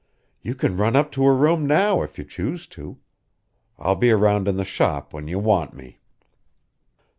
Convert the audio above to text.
You can run up to her room now if you choose to. I'll be round in the shop when you want me."